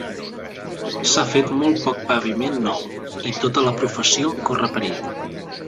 S'ha fet molt poc paviment nou i tota la professió corre perill.